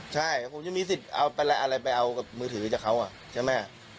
ใช่ผมจะมีสิทธิ์เอาอะไรไปเอากับมือถือจากเขาใช่ไหม